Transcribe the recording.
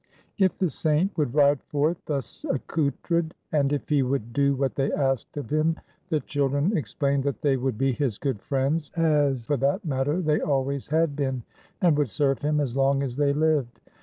If the Saint would ride forth thus accoutered and if he would do what they asked of him, the children explained that they would be his good friends, as for that matter they always had been, and would serve him as long as they lived.